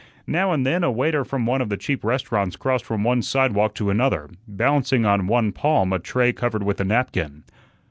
Now and then a waiter from one of the cheap restaurants crossed from one sidewalk to another, balancing on one palm a tray covered with a napkin.